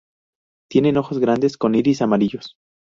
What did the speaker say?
Tienen ojos grandes con iris amarillos.